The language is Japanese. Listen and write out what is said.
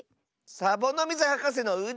サボノミズはかせのうで！